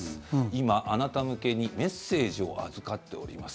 今、あなた向けにメッセージを預かっております